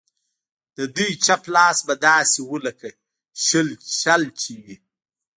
د دوی چپ لاس به داسې و لکه شل چې وي.